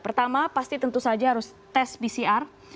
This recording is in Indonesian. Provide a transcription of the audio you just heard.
pertama pasti tentu saja harus tes pcr